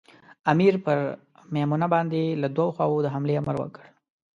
امیر پر مېمنه باندې له دوو خواوو د حملې امر وکړ.